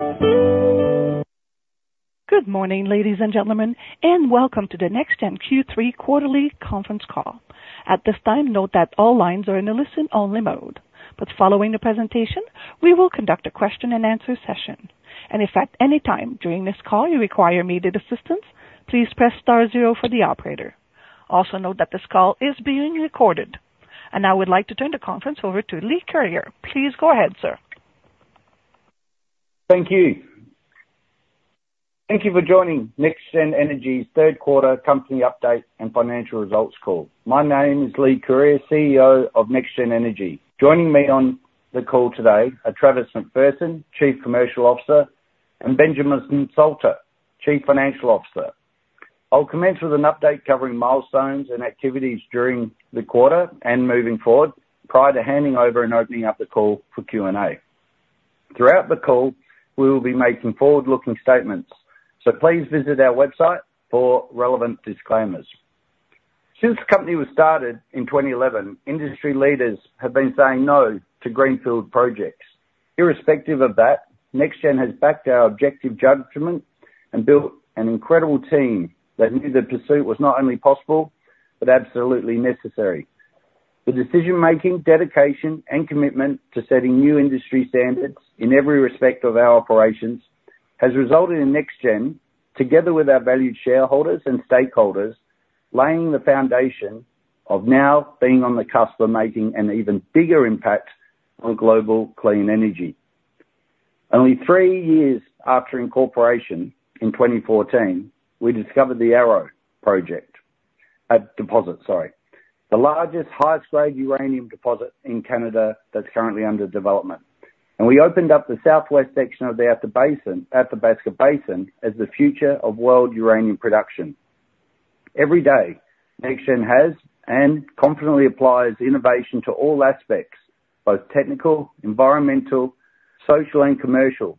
Good morning, ladies and gentlemen, and welcome to the NexGen Q3 quarterly conference call. At this time, note that all lines are in a listen-only mode, but following the presentation, we will conduct a question and answer session. If at any time during this call you require immediate assistance, please press star zero for the operator. Also, note that this call is being recorded. Now I would like to turn the conference over to Leigh Curyer. Please go ahead, sir. Thank you. Thank you for joining NexGen Energy's third quarter company update and financial results call. My name is Leigh Curyer, CEO of NexGen Energy. Joining me on the call today are Travis McPherson, Chief Commercial Officer, and Benjamin Salter, Chief Financial Officer. I'll commence with an update covering milestones and activities during the quarter and moving forward, prior to handing over and opening up the call for Q&A. Throughout the call, we will be making forward-looking statements, so please visit our website for relevant disclaimers. Since the company was started in 2011, industry leaders have been saying no to greenfield projects. Irrespective of that, NexGen has backed our objective judgment and built an incredible team that knew the pursuit was not only possible, but absolutely necessary. The decision-making, dedication, and commitment to setting new industry standards in every respect of our operations has resulted in NexGen, together with our valued shareholders and stakeholders, laying the foundation of now being on the cusp of making an even bigger impact on global clean energy. Only three years after incorporation in 2014, we discovered the Arrow Deposit, the largest, highest-grade uranium deposit in Canada that's currently under development. We opened up the southwest section of the Athabasca Basin as the future of world uranium production. Every day, NexGen has and confidently applies innovation to all aspects, both technical, environmental, social, and commercial,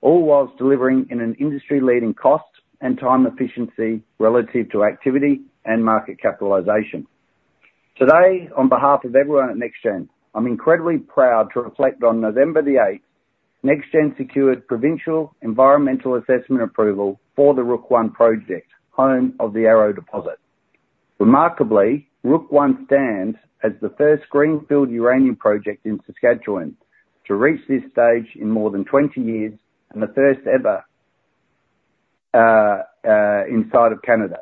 all while delivering in an industry-leading cost and time efficiency relative to activity and market capitalization. Today, on behalf of everyone at NexGen, I'm incredibly proud to reflect on November 8, NexGen secured provincial environmental assessment approval for the Rook I project, home of the Arrow Deposit. Remarkably, Rook I stands as the first greenfield uranium project in Saskatchewan to reach this stage in more than 20 years and the first ever inside of Canada.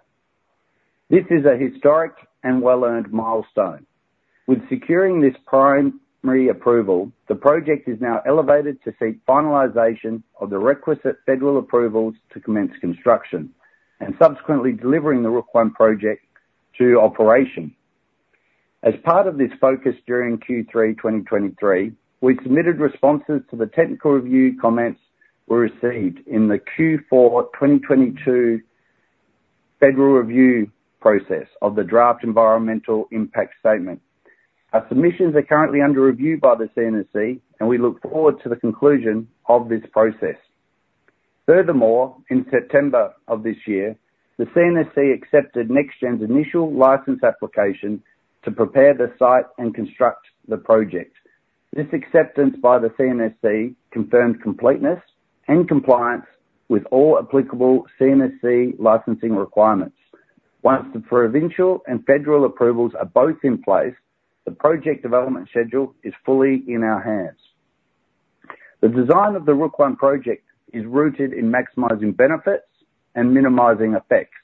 This is a historic and well-earned milestone. With securing this primary approval, the project is now elevated to seek finalization of the requisite federal approvals to commence construction and subsequently delivering the Rook I project to operation. As part of this focus during Q3 2023, we submitted responses to the technical review comments we received in the Q4 2022 federal review process of the Draft Environmental Impact Statement. Our submissions are currently under review by the CNSC, and we look forward to the conclusion of this process. Furthermore, in September of this year, the CNSC accepted NexGen's initial license application to prepare the site and construct the project. This acceptance by the CNSC confirms completeness and compliance with all applicable CNSC licensing requirements. Once the provincial and federal approvals are both in place, the project development schedule is fully in our hands. The design of the Rook I project is rooted in maximizing benefits and minimizing effects.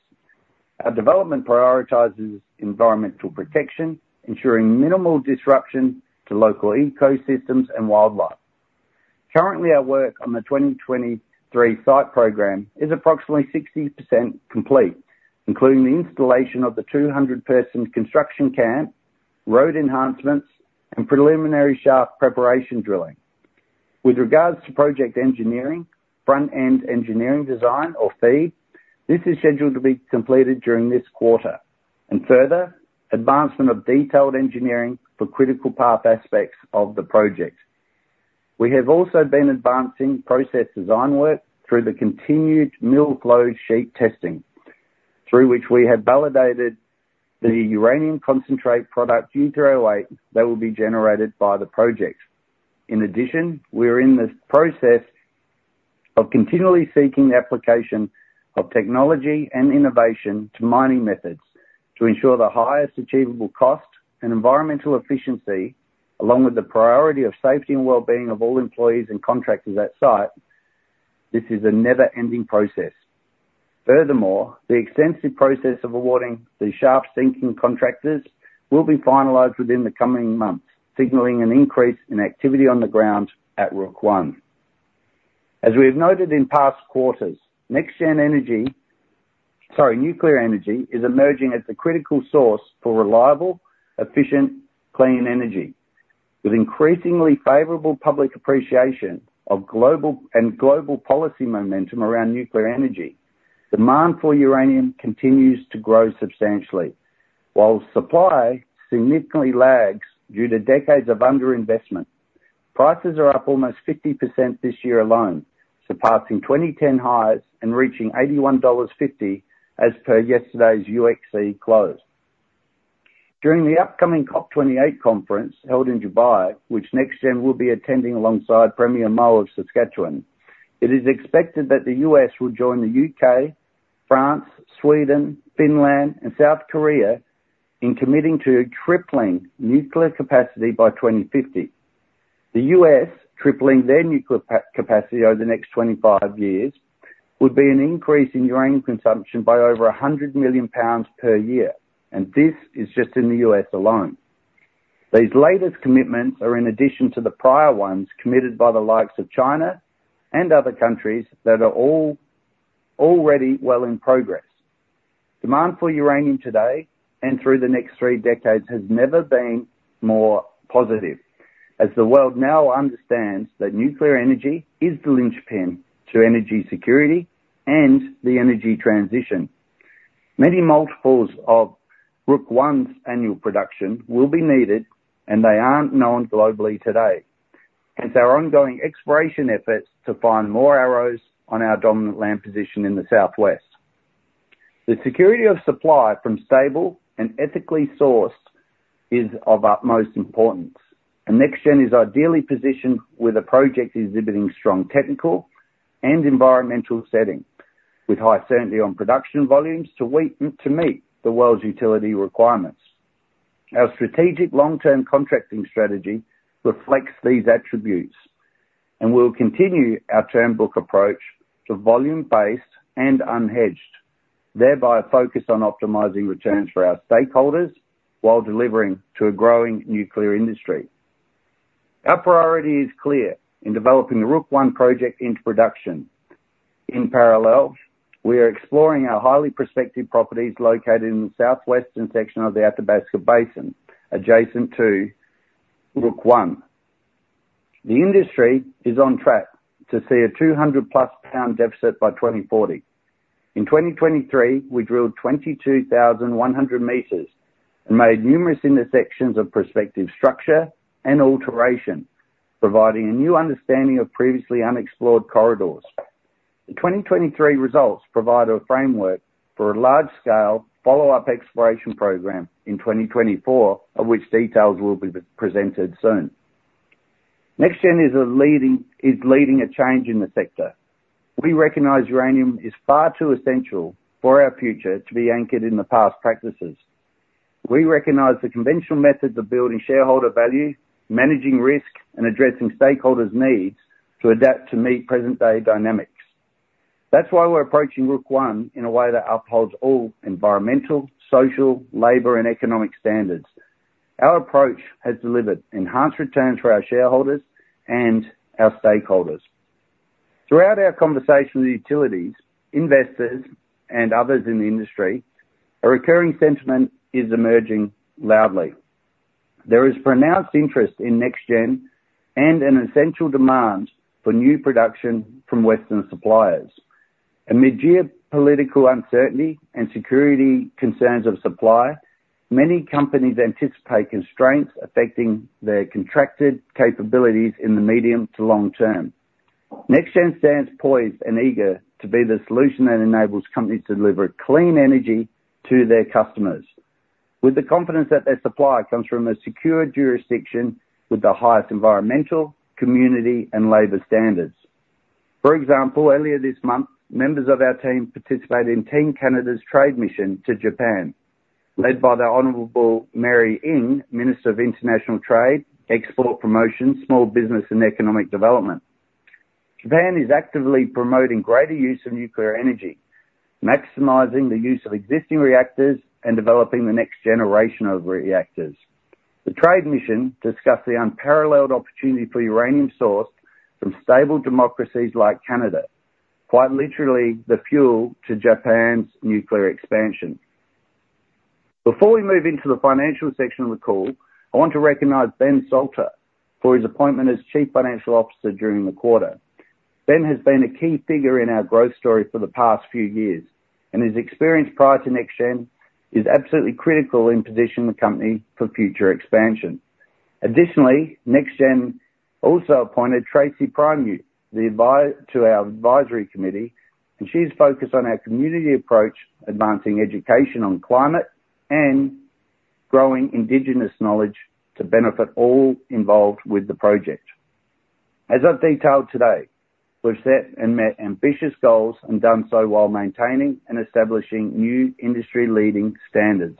Our development prioritizes environmental protection, ensuring minimal disruption to local ecosystems and wildlife. Currently, our work on the 2023 site program is approximately 60% complete, including the installation of the 200-person construction camp, road enhancements, and preliminary shaft preparation drilling. With regards to project engineering, front-end engineering design, or FEED, this is scheduled to be completed during this quarter, and further, advancement of detailed engineering for critical path aspects of the project. We have also been advancing process design work through the continued mill closed sheet testing, through which we have validated the uranium concentrate product, U3O8, that will be generated by the project. In addition, we are in this process of continually seeking the application of technology and innovation to mining methods to ensure the highest achievable cost and environmental efficiency, along with the priority of safety and well-being of all employees and contractors at site. This is a never-ending process. Furthermore, the extensive process of awarding the shaft sinking contractors will be finalized within the coming months, signaling an increase in activity on the ground at Rook I. As we have noted in past quarters, NexGen Energy, sorry, nuclear energy is emerging as a critical source for reliable, efficient, clean energy. With increasingly favorable public appreciation of global and global policy momentum around nuclear energy, demand for uranium continues to grow substantially, while supply significantly lags due to decades of underinvestment. Prices are up almost 50% this year alone, surpassing 2010 highs and reaching $81.50 as per yesterday's UxC close. During the upcoming COP28 conference held in Dubai, which NexGen will be attending alongside Premier Moe of Saskatchewan, it is expected that the U.S. will join the U.K., France, Sweden, Finland, and South Korea in committing to tripling nuclear capacity by 2050. The U.S. tripling their nuclear capacity over the next 25 years would be an increase in uranium consumption by over 100 million pounds per year, and this is just in the U.S. alone. These latest commitments are in addition to the prior ones committed by the likes of China and other countries that are all already well in progress. Demand for uranium today and through the next three decades has never been more positive, as the world now understands that nuclear energy is the linchpin to energy security and the energy transition. Many multiples of Rook I's annual production will be needed, and they aren't known globally today. Hence, our ongoing exploration efforts to find more arrows on our dominant land position in the Southwest. The security of supply from stable and ethically sourced is of utmost importance, and NexGen is ideally positioned with a project exhibiting strong technical and environmental setting, with high certainty on production volumes to meet the world's utility requirements. Our strategic long-term contracting strategy reflects these attributes, and we'll continue our term book approach to volume-based and unhedged, thereby focused on optimizing returns for our stakeholders while delivering to a growing nuclear industry. Our priority is clear in developing the Rook I Project into production. In parallel, we are exploring our highly prospective properties located in the southwestern section of the Athabasca Basin, adjacent to Rook I. The industry is on track to see a 200+ pound deficit by 2040. In 2023, we drilled 22,100 meters and made numerous intersections of prospective structure and alteration, providing a new understanding of previously unexplored corridors. The 2023 results provide a framework for a large-scale follow-up exploration program in 2024, of which details will be presented soon. NexGen is leading a change in the sector. We recognize uranium is far too essential for our future to be anchored in the past practices. We recognize the conventional methods of building shareholder value, managing risk, and addressing stakeholders' needs to adapt to meet present-day dynamics. That's why we're approaching Rook I in a way that upholds all environmental, social, labor, and economic standards. Our approach has delivered enhanced returns for our shareholders and our stakeholders. Throughout our conversation with utilities, investors, and others in the industry, a recurring sentiment is emerging loudly. There is pronounced interest in NexGen and an essential demand for new production from Western suppliers. Amid geopolitical uncertainty and security concerns of supply, many companies anticipate constraints affecting their contracted capabilities in the medium to long term. NexGen stands poised and eager to be the solution that enables companies to deliver clean energy to their customers with the confidence that their supply comes from a secure jurisdiction with the highest environmental, community, and labor standards. For example, earlier this month, members of our team participated in Team Canada's trade mission to Japan, led by the Honorable Mary Ng, Minister of International Trade, Export Promotion, Small Business and Economic Development. Japan is actively promoting greater use of nuclear energy, maximizing the use of existing reactors and developing the next generation of reactors. The trade mission discussed the unparalleled opportunity for uranium sourced from stable democracies like Canada, quite literally the fuel to Japan's nuclear expansion. Before we move into the financial section of the call, I want to recognize Ben Salter for his appointment as Chief Financial Officer during the quarter. Ben has been a key figure in our growth story for the past few years, and his experience prior to NexGen is absolutely critical in positioning the company for future expansion. Additionally, NexGen also appointed Tracy Primeau, the advisor to our advisory committee, and she's focused on our community approach, advancing education on climate and growing indigenous knowledge to benefit all involved with the project. As I've detailed today, we've set and met ambitious goals and done so while maintaining and establishing new industry-leading standards.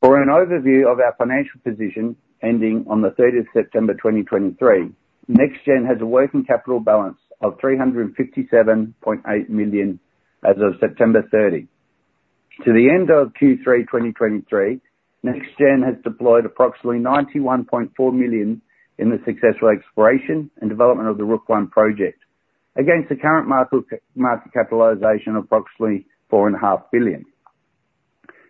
For an overview of our financial position ending on the thirtieth of September 2023, NexGen has a working capital balance of 357.8 million as of September 30. To the end of Q3 2023, NexGen has deployed approximately 91.4 million in the successful exploration and development of the Rook I project, against the current market, market capitalization of approximately 4.5 billion.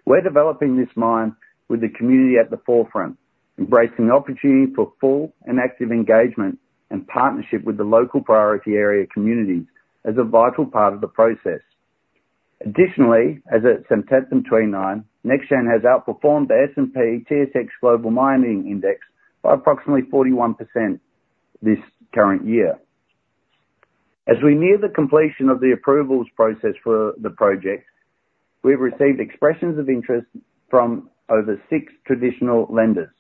We're developing this mine with the community at the forefront, embracing the opportunity for full and active engagement and partnership with the local priority area community as a vital part of the process. Additionally, as at September 29, NexGen has outperformed the S&P TSX Global Mining Index by approximately 41% this current year. As we near the completion of the approvals process for the project, we've received expressions of interest from over six traditional lenders.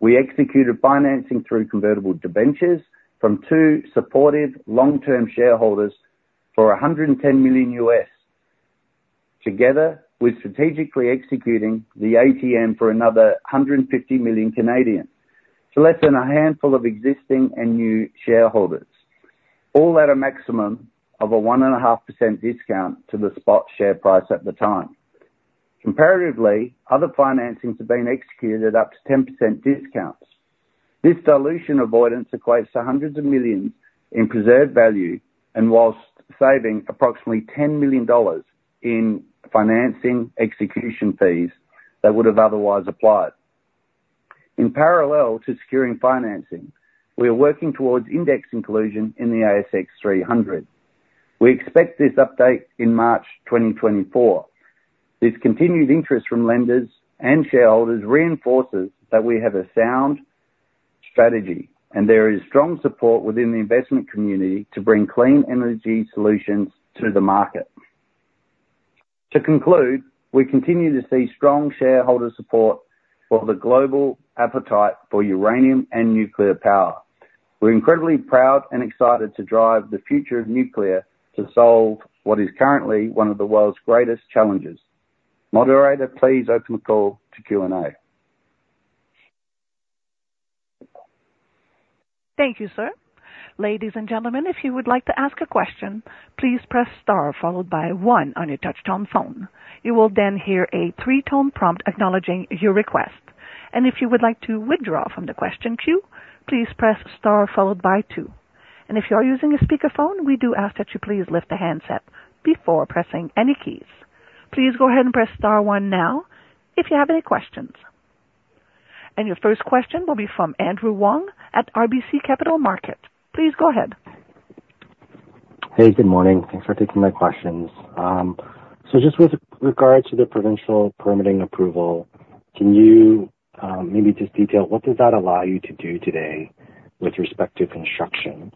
We executed financing through convertible debentures from two supportive long-term shareholders for $110 million, together with strategically executing the ATM for another 150 million, to less than a handful of existing and new shareholders, all at a maximum of a 1.5% discount to the spot share price at the time. Comparatively, other financings have been executed up to 10% discounts. This dilution avoidance equates to CAD hundreds of millions in preserved value and whilst saving approximately 10 million dollars in financing execution fees that would have otherwise applied. In parallel to securing financing, we are working towards index inclusion in the ASX 300. We expect this update in March 2024. This continued interest from lenders and shareholders reinforces that we have a sound strategy, and there is strong support within the investment community to bring clean energy solutions to the market. To conclude, we continue to see strong shareholder support for the global appetite for uranium and nuclear power. We're incredibly proud and excited to drive the future of nuclear to solve what is currently one of the world's greatest challenges. Moderator, please open the call to Q&A. Thank you, sir. Ladies and gentlemen, if you would like to ask a question, please press star followed by one on your touchtone phone. You will then hear a three-tone prompt acknowledging your request. And if you would like to withdraw from the question queue, please press star followed by two. And if you are using a speakerphone, we do ask that you please lift the handset before pressing any keys. Please go ahead and press star one now if you have any questions. And your first question will be from Andrew Wong at RBC Capital Markets. Please go ahead. Hey, good morning. Thanks for taking my questions. So just with regards to the provincial permitting approval, can you maybe just detail what does that allow you to do today with respect to construction?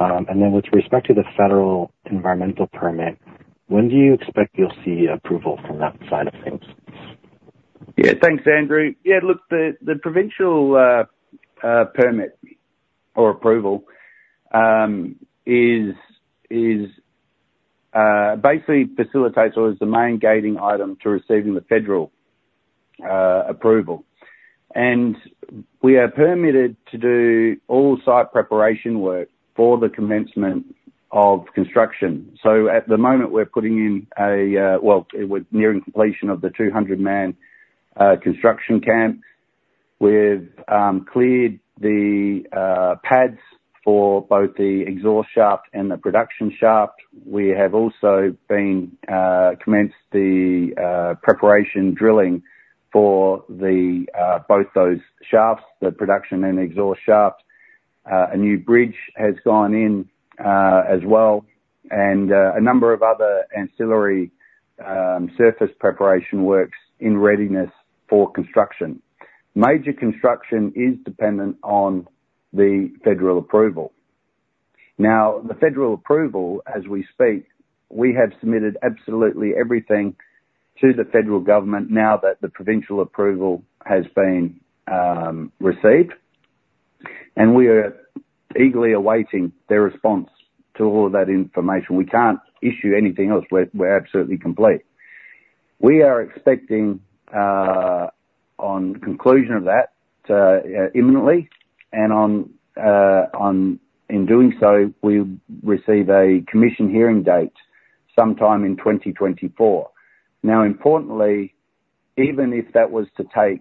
And then with respect to the federal environmental permit, when do you expect you'll see approval from that side of things? Yeah. Thanks, Andrew. Yeah, look, the provincial permit or approval is basically facilitates or is the main gating item to receiving the federal approval. And we are permitted to do all site preparation work for the commencement of construction. So at the moment, we're putting in a well, it was nearing completion of the 200-man construction camp. We've cleared the pads for both the exhaust shaft and the production shaft. We have also been commenced the preparation drilling for both those shafts, the production and exhaust shafts. A new bridge has gone in as well, and a number of other ancillary surface preparation works in readiness for construction. Major construction is dependent on the federal approval. Now, the federal approval, as we speak, we have submitted absolutely everything to the federal government now that the provincial approval has been received, and we are eagerly awaiting their response to all of that information. We can't issue anything else. We're absolutely complete. We are expecting on conclusion of that imminently, and in doing so, we receive a commission hearing date sometime in 2024. Now, importantly, even if that was to take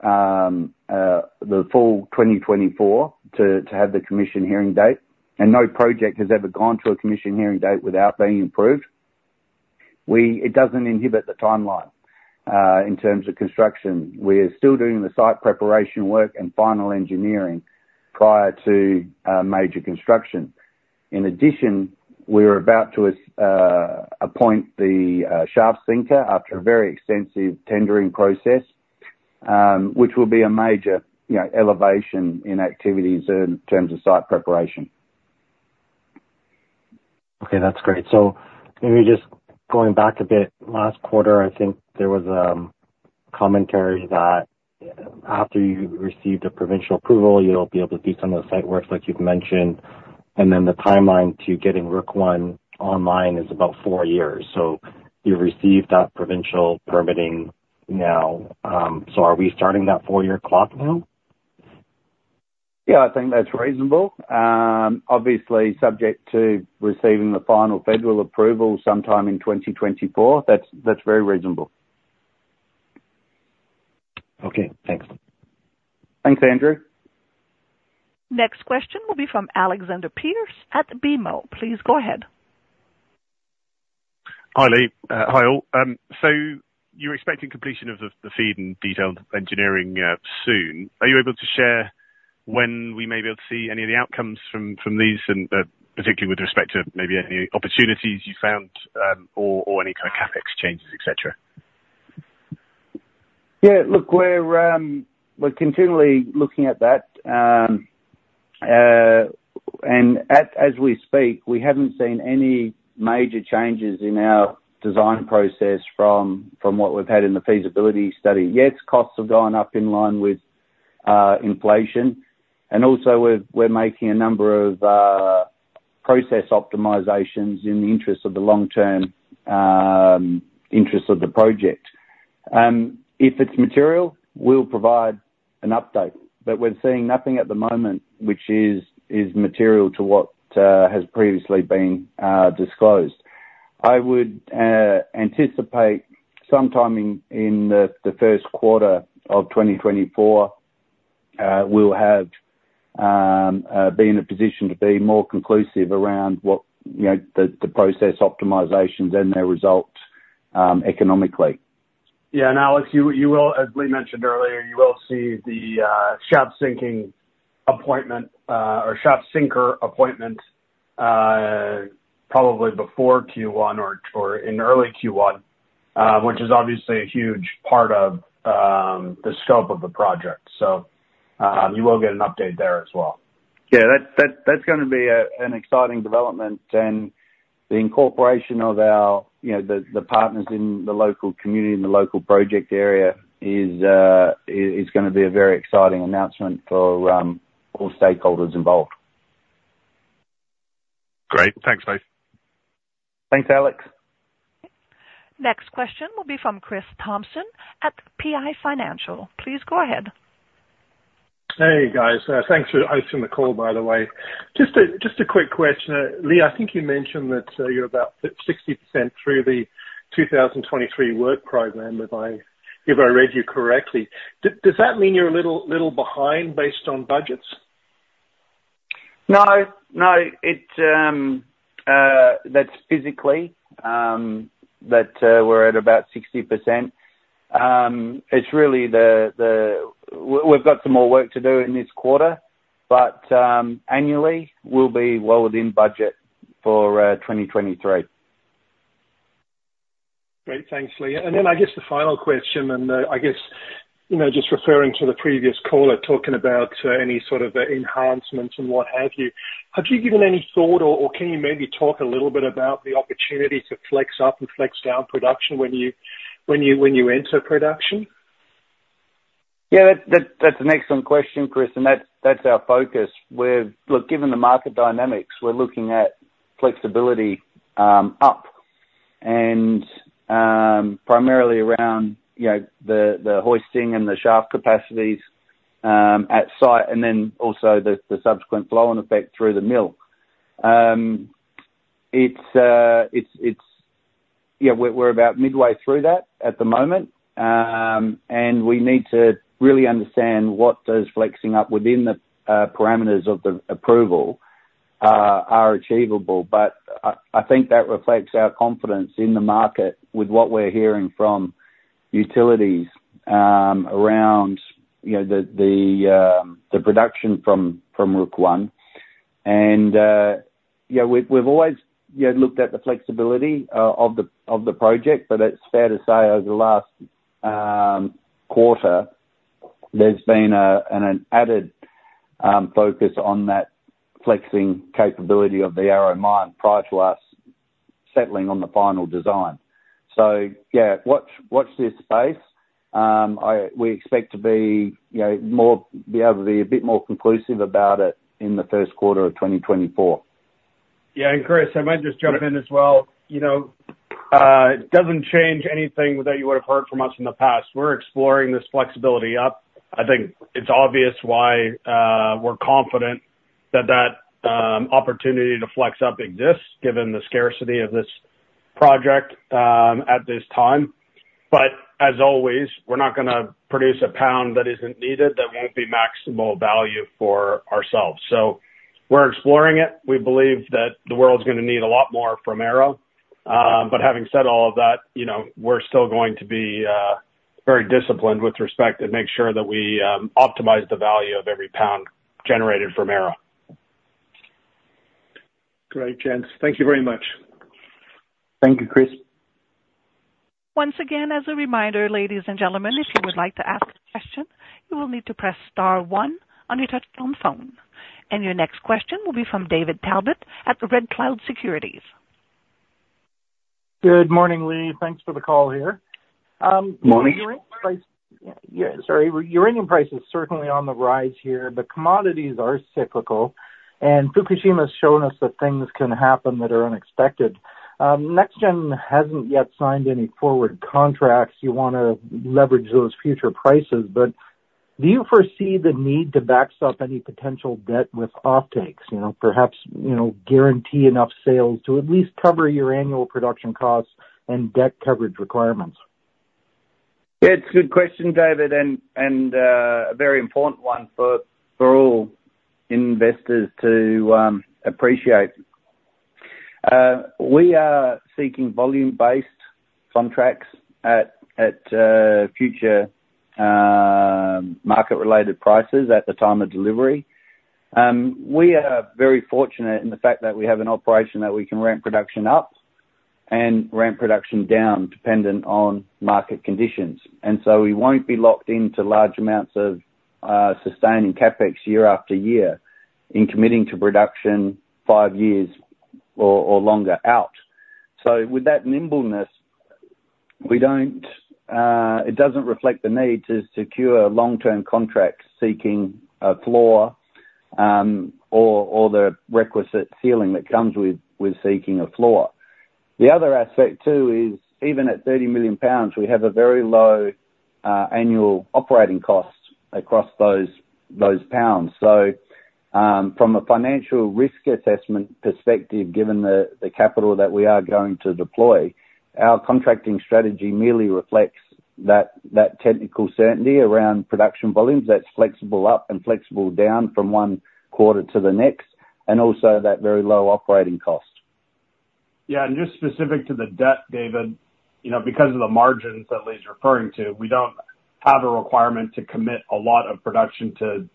the full 2024 to have the commission hearing date, and no project has ever gone to a commission hearing date without being approved, it doesn't inhibit the timeline in terms of construction. We are still doing the site preparation work and final engineering prior to major construction. In addition, we're about to appoint the shaft sinker after a very extensive tendering process, which will be a major, you know, elevation in activities in terms of site preparation. Okay, that's great. So maybe just going back a bit, last quarter, I think there was commentary that after you received a provincial approval, you'll be able to do some of the site works like you've mentioned, and then the timeline to getting Rook I online is about four years. So you've received that provincial permitting now. So are we starting that four-year clock now? Yeah, I think that's reasonable. Obviously subject to receiving the final federal approval sometime in 2024. That's very reasonable. Okay, thanks. Thanks, Andrew. Next question will be from Alexander Pearce at BMO. Please go ahead. Hi, Leigh. Hi all. So you're expecting completion of the FEED and detailed engineering soon. Are you able to share when we may be able to see any of the outcomes from these and particularly with respect to maybe any opportunities you found or any kind of CapEx changes, et cetera?... Yeah, look, we're continually looking at that. As we speak, we haven't seen any major changes in our design process from what we've had in the feasibility study. Yes, costs have gone up in line with inflation, and also we're making a number of process optimizations in the interest of the long-term interest of the project. If it's material, we'll provide an update, but we're seeing nothing at the moment, which is material to what has previously been disclosed. I would anticipate sometime in the first quarter of 2024 we'll be in a position to be more conclusive around what, you know, the process optimizations and their results, economically. Yeah, and Alex, you will, as Lee mentioned earlier, you will see the shaft sinking appointment or shaft sinker appointment probably before Q1 or in early Q1, which is obviously a huge part of the scope of the project. So, you will get an update there as well. Yeah, that's gonna be an exciting development. And the incorporation of our, you know, the partners in the local community and the local project area is gonna be a very exciting announcement for all stakeholders involved. Great. Thanks, guys. Thanks, Alex. Next question will be from Chris Thompson at PI Financial. Please go ahead. Hey, guys. Thanks for hosting the call, by the way. Just a quick question. Leigh, I think you mentioned that you're about 50%-60% through the 2023 work program, if I read you correctly. Does that mean you're a little behind, based on budgets? No, no. It's that's physically we're at about 60%. It's really the. We've got some more work to do in this quarter, but annually, we'll be well within budget for 2023. Great. Thanks, Lee. And then I guess the final question, and I guess, you know, just referring to the previous caller, talking about any sort of enhancements and what have you, have you given any thought or, or can you maybe talk a little bit about the opportunity to flex up and flex down production when you enter production? Yeah, that's an excellent question, Chris, and that's our focus. We're looking at flexibility up and primarily around, you know, the hoisting and the shaft capacities at site, and then also the subsequent flow on effect through the mill. It's... Yeah, we're about midway through that at the moment, and we need to really understand what those flexing up within the parameters of the approval are achievable. But I think that reflects our confidence in the market with what we're hearing from utilities around, you know, the production from Rook I. Yeah, we've always, you know, looked at the flexibility of the project, but it's fair to say over the last quarter, there's been an added focus on that flexing capability of the Arrow mine prior to us settling on the final design. So yeah, watch this space. We expect to be, you know, more able to be a bit more conclusive about it in the first quarter of 2024. Yeah, and Chris, I might just jump in as well. You know, it doesn't change anything that you would've heard from us in the past. We're exploring this flexibility up. I think it's obvious why, we're confident that that opportunity to flex up exists, given the scarcity of this project, at this time. But as always, we're not gonna produce a pound that isn't needed, that won't be maximal value for ourselves. So we're exploring it. We believe that the world's gonna need a lot more from Arrow. But having said all of that, you know, we're still going to be very disciplined with respect to make sure that we optimize the value of every pound generated from Arrow. Great, gents. Thank you very much. Thank you, Chris. Once again, as a reminder, ladies and gentlemen, if you would like to ask a question, you will need to press star one on your touch tone phone. Your next question will be from David Talbot at Red Cloud Securities. Good morning, Leigh. Thanks for the call here. Morning. Sorry. Uranium price is certainly on the rise here, but commodities are cyclical, and Fukushima has shown us that things can happen that are unexpected. NexGen hasn't yet signed any forward contracts. You want to leverage those future prices, but do you foresee the need to backstop any potential debt with offtakes? You know, perhaps, you know, guarantee enough sales to at least cover your annual production costs and debt coverage requirements? Yeah, it's a good question, David, and, and, a very important one for, for all investors to appreciate. We are seeking volume-based contracts at, at, future market related prices at the time of delivery. We are very fortunate in the fact that we have an operation that we can ramp production up and ramp production down, dependent on market conditions. And so we won't be locked into large amounts of, sustaining CapEx year after year in committing to production five years or, or longer out. So with that nimbleness, we don't, it doesn't reflect the need to secure long-term contracts seeking a floor, or, or the requisite ceiling that comes with, with seeking a floor. The other aspect, too, is even at 30 million pounds, we have a very low, annual operating cost across those, those pounds. From a financial risk assessment perspective, given the capital that we are going to deploy, our contracting strategy merely reflects that technical certainty around production volumes that's flexible up and flexible down from one quarter to the next, and also that very low operating cost. Yeah, just specific to the debt, David, you know, because of the margins that Lee's referring to, we don't have a requirement to commit a lot of production to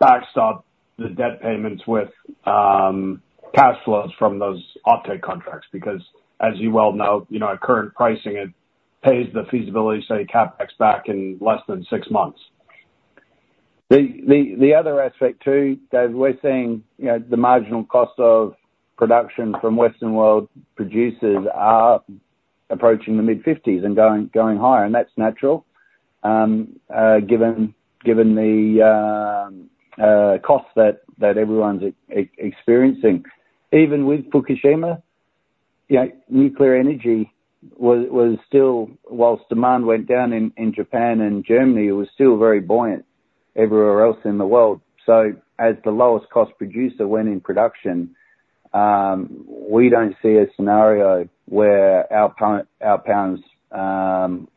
backstop the debt payments with cash flows from those offtake contracts. Because as you well know, you know, our current pricing, it pays the feasibility, say, CapEx, back in less than six months. The other aspect, too, David, we're seeing, you know, the marginal cost of production from Western world producers are approaching the mid-$50s and going higher, and that's natural, given the costs that everyone's experiencing. Even with Fukushima, you know, nuclear energy was still... whilst demand went down in Japan and Germany, it was still very buoyant everywhere else in the world. So as the lowest cost producer when in production, we don't see a scenario where our pound, our pounds,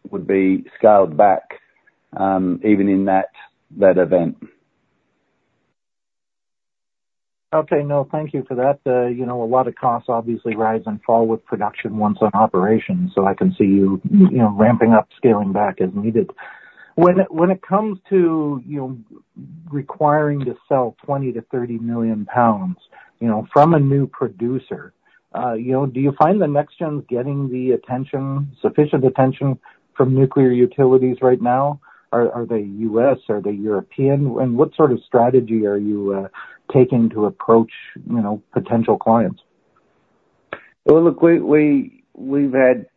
would be scaled back, even in that event. Okay. No, thank you for that. You know, a lot of costs obviously rise and fall with production once in operation, so I can see you, you know, ramping up, scaling back as needed. When it comes to, you know, requiring to sell 20 million-30 million pounds, you know, from a new producer, you know, do you find NexGen getting the attention, sufficient attention from nuclear utilities right now? Are they U.S.? Are they European? And what sort of strategy are you taking to approach, you know, potential clients? Well, look, we've had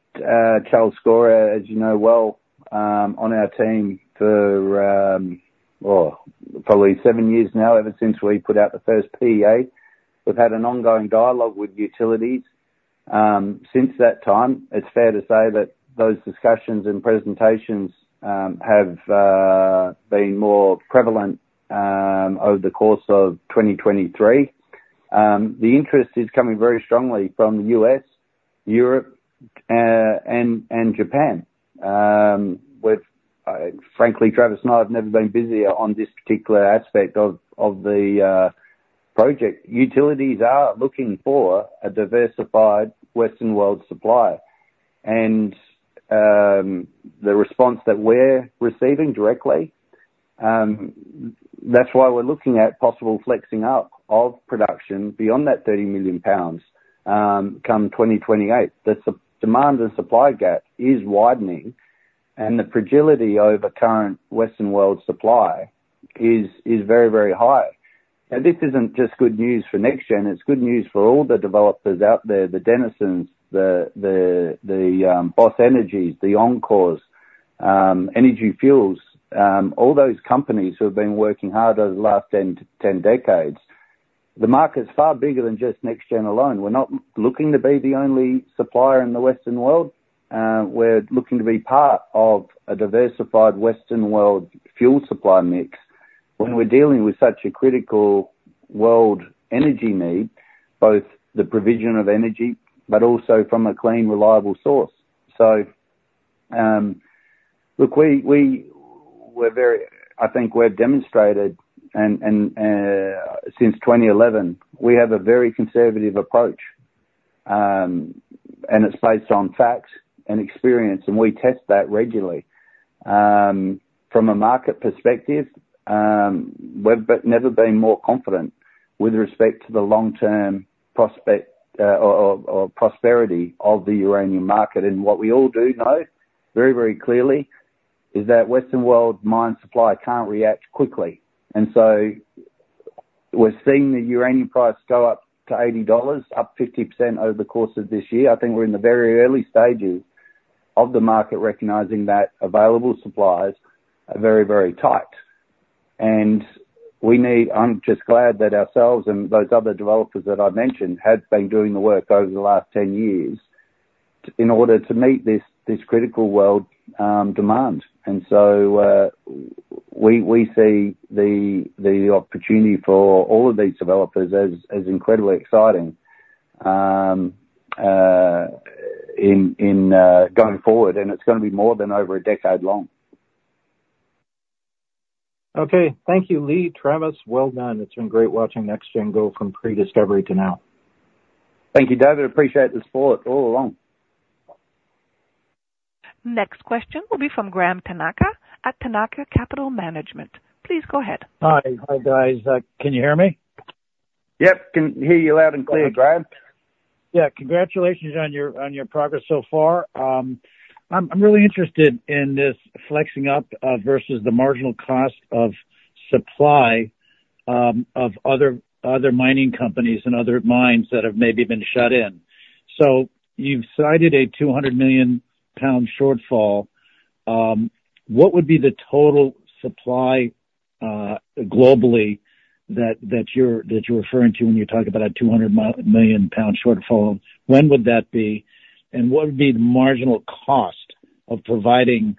Charles Scorer, as you know well, on our team for, oh, probably seven years now, ever since we put out the first PEA. We've had an ongoing dialogue with utilities since that time. It's fair to say that those discussions and presentations have been more prevalent over the course of 2023. The interest is coming very strongly from the U.S., Europe, and Japan. Frankly, Travis and I have never been busier on this particular aspect of the project. Utilities are looking for a diversified Western world supplier. The response that we're receiving directly, that's why we're looking at possible flexing up of production beyond that 30 million pounds come 2028. The supply-demand gap is widening, and the fragility over current Western world supply is, is very, very high. This isn't just good news for NexGen, it's good news for all the developers out there, the Denison, the Boss Energy, the enCore Energy, Energy Fuels, all those companies who have been working hard over the last 10-10 decades. The market's far bigger than just NexGen alone. We're not looking to be the only supplier in the Western world. We're looking to be part of a diversified Western world fuel supply mix when we're dealing with such a critical world energy need, both the provision of energy, but also from a clean, reliable source. So, look, we're very. I think we've demonstrated since 2011, we have a very conservative approach, and it's based on facts and experience, and we test that regularly. From a market perspective, we've never been more confident with respect to the long-term prospect, or prosperity of the uranium market. And what we all do know very, very clearly is that Western world mine supply can't react quickly. And so we're seeing the uranium price go up to $80, up 50% over the course of this year. I think we're in the very early stages of the market, recognizing that available supplies are very, very tight. And we need... I'm just glad that ourselves and those other developers that I mentioned have been doing the work over the last 10 years in order to meet this critical world demand. And so, we see the opportunity for all of these developers as incredibly exciting in going forward, and it's gonna be more than over a decade long. Okay. Thank you, Lee. Travis, well done. It's been great watching NexGen go from pre-discovery to now.... Thank you, David. Appreciate the support all along. Next question will be from Graham Tanaka at Tanaka Capital Management. Please go ahead. Hi. Hi, guys. Can you hear me? Yep, can hear you loud and clear, Graham. Yeah, congratulations on your progress so far. I'm really interested in this flexing up versus the marginal cost of supply of other mining companies and other mines that have maybe been shut in. So you've cited a 200 million pound shortfall. What would be the total supply globally that you're referring to when you talk about a 200 million pound shortfall? When would that be? And what would be the marginal cost of providing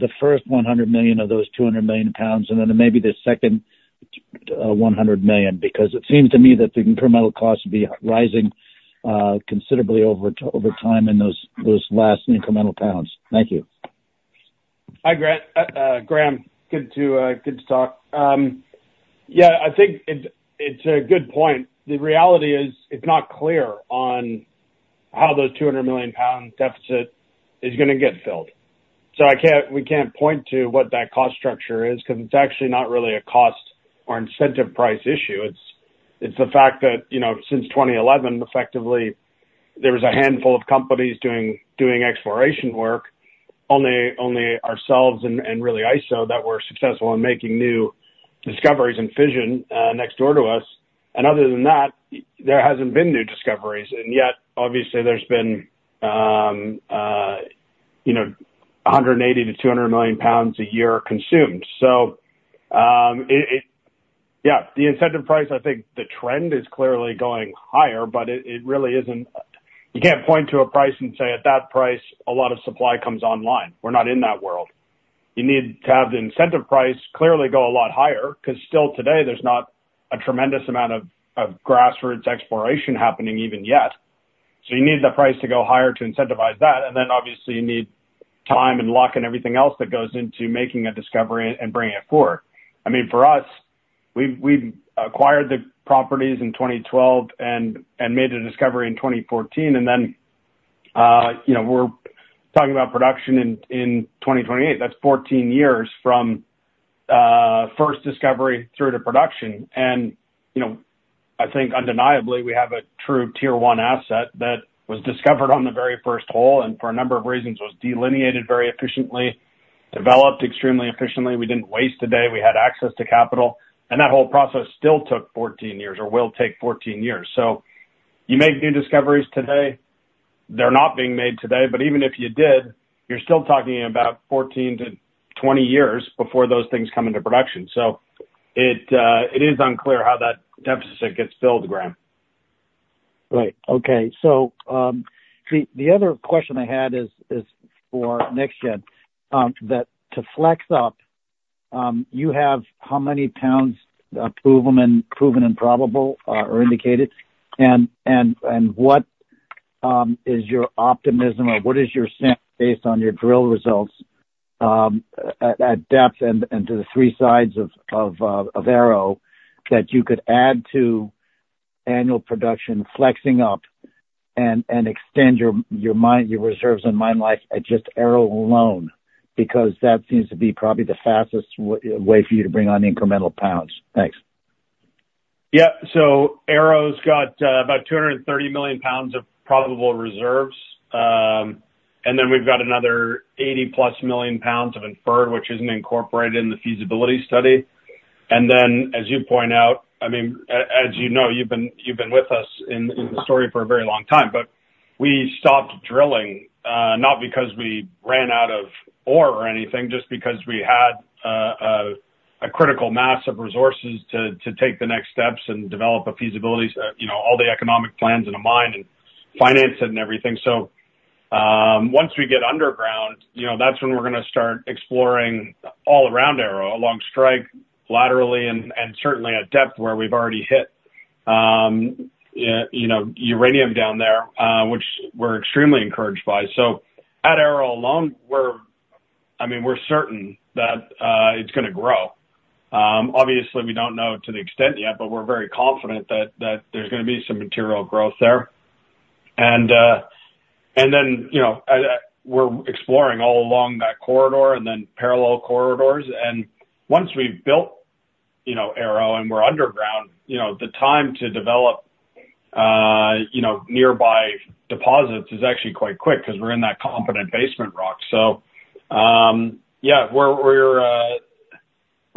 the first 100 million of those 200 million pounds, and then maybe the second 100 million? Because it seems to me that the incremental cost would be rising considerably over time in those last incremental pounds. Thank you. Hi, Graham. Good to talk. Yeah, I think it's a good point. The reality is, it's not clear on how those 200 million pound deficit is gonna get filled. So I can't—we can't point to what that cost structure is, because it's actually not really a cost or incentive price issue. It's the fact that, you know, since 2011, effectively, there was a handful of companies doing exploration work, only ourselves and really ISO that were successful in making new discoveries and Fission next door to us. And other than that, there hasn't been new discoveries. And yet, obviously, there's been, you know, 180 million-200 millions pounds a year consumed. So, it... Yeah, the incentive price, I think the trend is clearly going higher, but it, it really isn't— You can't point to a price and say, "At that price, a lot of supply comes online." We're not in that world. You need to have the incentive price clearly go a lot higher, 'cause still today, there's not a tremendous amount of, of grassroots exploration happening even yet. So you need the price to go higher to incentivize that, and then obviously you need time and luck and everything else that goes into making a discovery and bringing it forward. I mean, for us, we've, we've acquired the properties in 2012 and, and made the discovery in 2014, and then, you know, we're talking about production in, in 2028. That's 14 years from, first discovery through to production. You know, I think undeniably, we have a true tier one asset that was discovered on the very first hole, and for a number of reasons, was delineated very efficiently, developed extremely efficiently. We didn't waste a day. We had access to capital, and that whole process still took 14 years or will take 14 years. So you make new discoveries today, they're not being made today, but even if you did, you're still talking about 14-20 years before those things come into production. So it, it is unclear how that deficit gets filled, Graham. Right. Okay. So, the other question I had is for NexGen, that to flex up, you have how many pounds proven and probable or indicated, and what is your optimism or what is your sense based on your drill results at depth and to the three sides of Arrow, that you could add to annual production, flexing up and extend your reserves and mine life at just Arrow alone? Because that seems to be probably the fastest way for you to bring on incremental pounds. Thanks. Yeah. So Arrow's got about 230 million pounds of probable reserves. And then we've got another 80+ million pounds of inferred, which isn't incorporated in the feasibility study. And then, as you point out, I mean, as you know, you've been with us in the story for a very long time, but we stopped drilling, not because we ran out of ore or anything, just because we had a critical mass of resources to take the next steps and develop a feasibility, you know, all the economic plans in a mine and finance it and everything. So, once we get underground, you know, that's when we're gonna start exploring all around Arrow, along strike, laterally, and certainly at depth, where we've already hit, you know, uranium down there, which we're extremely encouraged by. So at Arrow alone, we're, I mean, we're certain that it's gonna grow. Obviously, we don't know to the extent yet, but we're very confident that there's gonna be some material growth there. And then, you know, we're exploring all along that corridor and then parallel corridors, and once we've built, you know, Arrow and we're underground, you know, the time to develop nearby deposits is actually quite quick, because we're in that competent basement rock. So, yeah, we're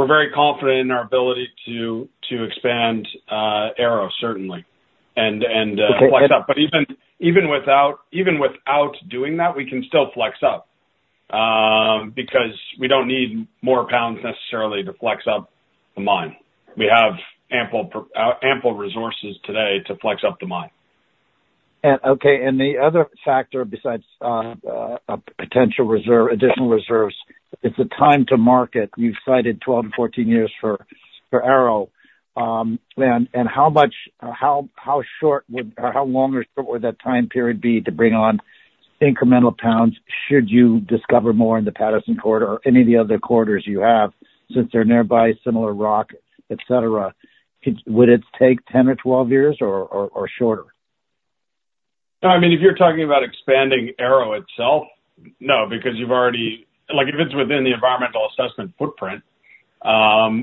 very confident in our ability to expand Arrow, certainly, and flex up. But even without doing that, we can still flex up, because we don't need more pounds necessarily to flex up the mine. We have ample resources today to flex up the mine. Okay, and the other factor besides a potential reserve, additional reserves, is the time to market. You've cited 12-14 years for Arrow. And how short would, or how long or short would that time period be to bring on incremental pounds, should you discover more in the Patterson Corridor or any of the other corridors you have, since they're nearby, similar rock, et cetera? Could it take 10 or 12 years or shorter? No, I mean, if you're talking about expanding Arrow itself, no, because you've already like, if it's within the environmental assessment footprint,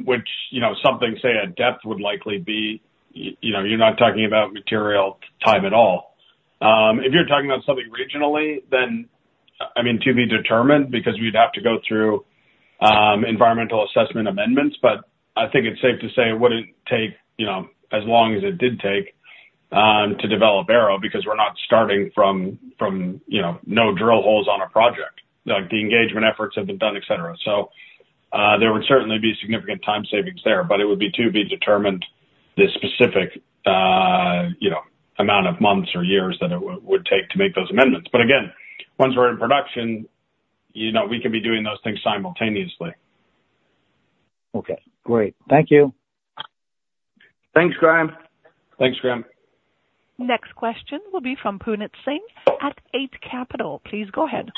which, you know, something, say, at depth would likely be, you know, you're not talking about material time at all. If you're talking about something regionally, then, I mean, to be determined, because we'd have to go through environmental assessment amendments. But I think it's safe to say it wouldn't take, you know, as long as it did take to develop Arrow, because we're not starting from, you know, no drill holes on a project. Like, the engagement efforts have been done, et cetera. So, there would certainly be significant time savings there, but it would be to be determined, the specific, you know, amount of months or years that it would take to make those amendments. But again, once we're in production, you know, we can be doing those things simultaneously. Okay, great. Thank you. Thanks, Graham. Thanks, Graham. Next question will be from Puneet Singh at Eight Capital. Please go ahead.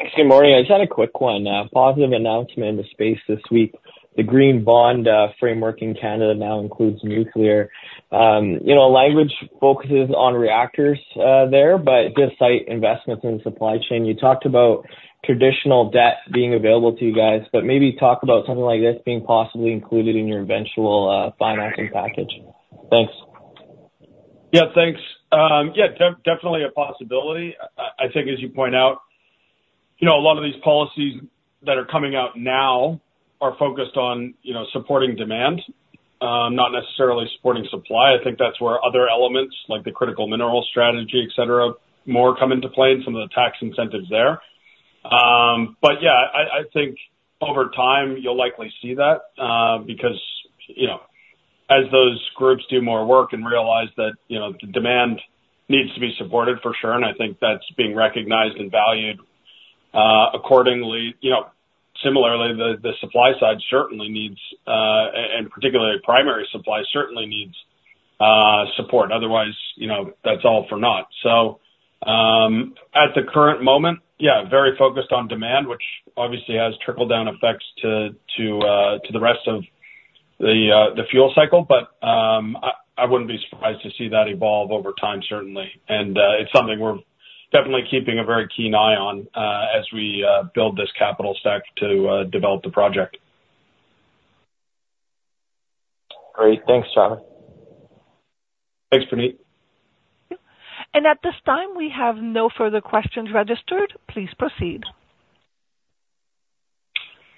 Thanks. Good morning. I just had a quick one. Positive announcement in the space this week. The green bond framework in Canada now includes nuclear. You know, language focuses on reactors there, but does cite investments in supply chain. You talked about traditional debt being available to you guys, but maybe talk about something like this being possibly included in your eventual financing package. Thanks. Yeah, thanks. Yeah, definitely a possibility. I think, as you point out, you know, a lot of these policies that are coming out now are focused on, you know, supporting demand, not necessarily supporting supply. I think that's where other elements, like the critical mineral strategy, et cetera, more come into play and some of the tax incentives there. But yeah, I think over time you'll likely see that, because, you know, as those groups do more work and realize that, you know, the demand needs to be supported for sure, and I think that's being recognized and valued, accordingly. You know, similarly, the supply side certainly needs, and particularly primary supply, certainly needs, support. Otherwise, you know, that's all for naught. So, at the current moment, yeah, very focused on demand, which obviously has trickle-down effects to the rest of the fuel cycle, but I wouldn't be surprised to see that evolve over time, certainly. And, it's something we're definitely keeping a very keen eye on, as we build this capital stack to develop the project. Great. Thanks, Trava. Thanks, Puneet. At this time, we have no further questions registered. Please proceed.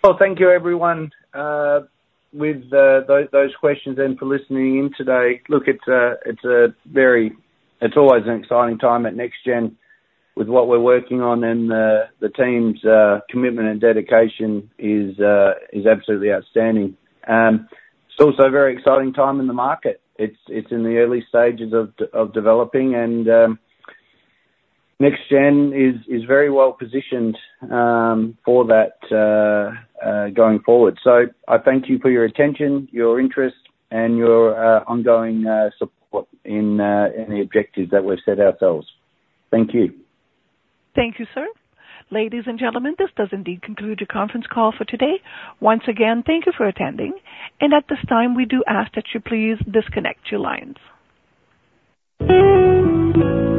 Well, thank you everyone with those questions and for listening in today. Look, it's a very. It's always an exciting time at NexGen with what we're working on, and the team's commitment and dedication is absolutely outstanding. It's also a very exciting time in the market. It's in the early stages of developing, and NexGen is very well positioned for that going forward. So I thank you for your attention, your interest, and your ongoing support in the objectives that we've set ourselves. Thank you. Thank you, sir. Ladies and gentlemen, this does indeed conclude the conference call for today. Once again, thank you for attending, and at this time, we do ask that you please disconnect your lines.